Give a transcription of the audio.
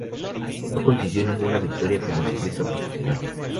No consiguió ninguna victoria como ciclista profesional.